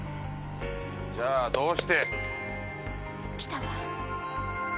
じゃあどうして！？来たわ。